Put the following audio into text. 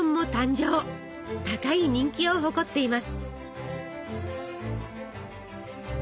高い人気を誇っています。